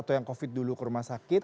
atau yang covid dulu ke rumah sakit